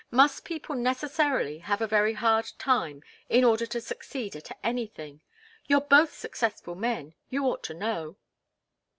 Must people necessarily have a very hard time in order to succeed at anything? You're both successful men you ought to know."